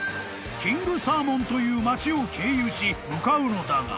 ［キングサーモンという町を経由し向かうのだが］